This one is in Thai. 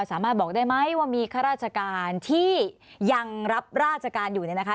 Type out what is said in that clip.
สามารถบอกได้ไหมว่ามีข้าราชการที่ยังรับราชการอยู่เนี่ยนะคะ